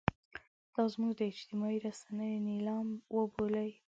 دا زموږ د اجتماعي رسنیو نیلام وبولئ.